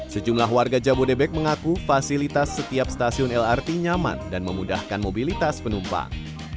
sejumlah warga jabodebek mengaku fasilitas setiap stasiun lrt nyaman dan memudahkan mobilitas penumpang